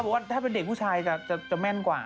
แต่เขาบอกว่าถ้าเป็นเด็กผู้ชายจะแม่นกว่า